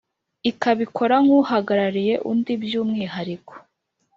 ikabikora nk uhagarariye undi by umwihariko